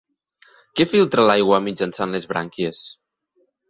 Què filtra l'aigua mitjançant les brànquies?